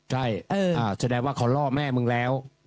ใช่แสดงว่าเขาล่อแม่มึงแล้ว